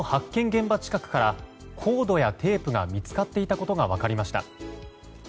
現場近くからコードやテープが見つかっていたことが分かりました。